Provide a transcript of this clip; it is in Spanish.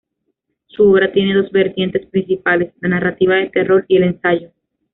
Su obra tiene dos vertientes principales: la narrativa de terror y el ensayo.